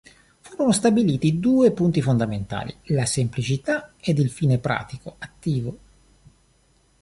Furono stabiliti due punti fondamentali: la semplicità ed il fine pratico, attivo.